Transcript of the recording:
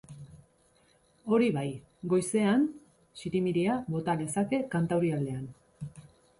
Hori bai, goizean zirimiria bota lezake kantaurialdean.